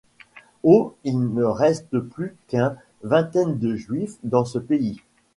Au il ne reste plus qu'un vingtaine de Juifs dans ce pays.